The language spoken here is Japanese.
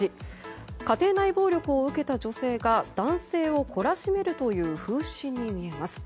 家庭内暴力を受けた女性が男性を懲らしめるという風刺に見えます。